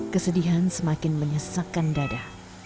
kesedihan semakin menyesekkan dada